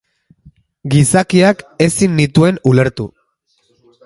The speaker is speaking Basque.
Gizakiak ezin nituen ulertu.